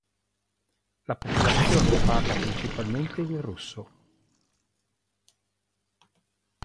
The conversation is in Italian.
La popolazione parla principalmente il russo.